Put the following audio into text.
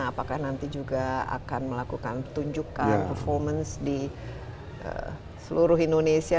apakah nanti juga akan melakukan pertunjukan performance di seluruh indonesia